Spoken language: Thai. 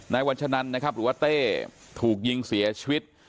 วัชนันนะครับหรือว่าเต้ถูกยิงเสียชีวิต